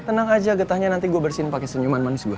tenang aja getahnya nanti gue bersihin pakai senyuman manis gue